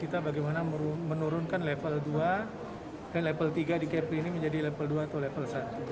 kita bagaimana menurunkan level dua dan level tiga di kepri ini menjadi level dua atau level satu